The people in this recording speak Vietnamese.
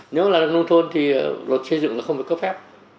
nếu là đông thôn thì luật xây dựng nó không phải có phép